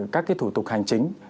các cái thủ tục hành chính